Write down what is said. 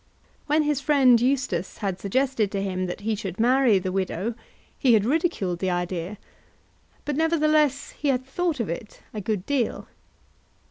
When his friend Eustace had suggested to him that he should marry the widow, he had ridiculed the idea; but nevertheless he had thought of it a good deal.